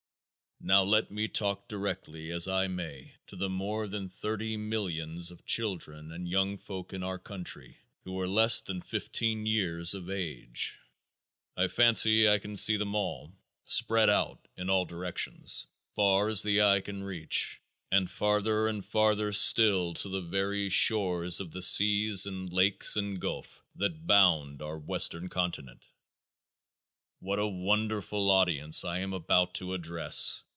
Now let me talk directly as I may to the more than thirty millions of children and young folks in our country who are less than eighteen years of age. I fancy I can see them all spread out in all directions, far as the eye can reach, and farther and farther still to the very shores of the seas and lakes and gulf that bound our western continent. What a wonderful audience I am about to address!